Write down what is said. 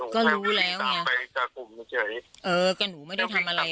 ก็รู้แล้วไงเออก็หนูไม่ได้ทำอะไร